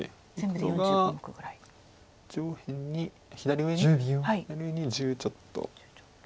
黒が上辺に左上に１０ちょっと。